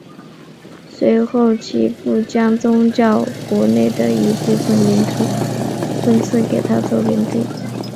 随后其父将教宗国内的一部份领土分赐给他做领地。